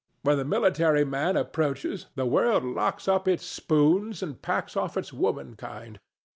When the military man approaches, the world locks up its spoons and packs off its womankind.